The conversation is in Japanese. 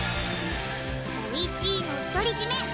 おいしいの独り占め